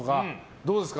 どうですか？